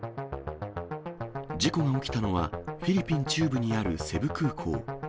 事故が起きたのは、フィリピン中部にあるセブ空港。